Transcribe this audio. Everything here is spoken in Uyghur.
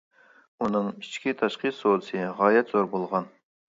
ئۇنىڭ ئىچكى-تاشقى سودىسى غايەت زور بولغان.